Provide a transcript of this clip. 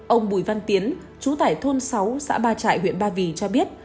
ông bùi văn tiến chú tải thôn sáu xã ba trại huyện ba vì cho biết